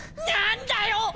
何だよ！